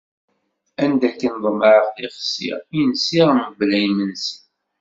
Anda akken ḍemɛeɣ tixsi, i nsiɣ mebla imensi.